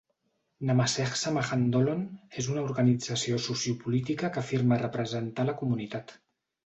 Namassej Samaj Andolon és una organització sociopolítica que afirma representar la comunitat.